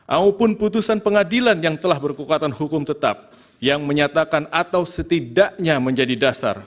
maupun putusan pengadilan yang telah berkekuatan hukum tetap yang menyatakan atau setidaknya menjadi dasar